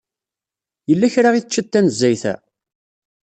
Yella kra i teččiḍ tanezzayt-a?